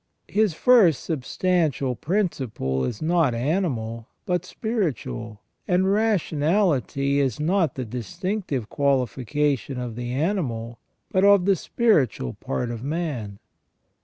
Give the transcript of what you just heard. His first substantial principle is not animal but spiritual, and ration ality is not the distinctive qualification of the animal but of the spiritual part of man.